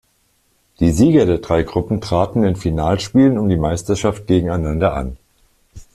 Die Sieger der drei Gruppen traten in Finalspielen um die Meisterschaft gegeneinander an.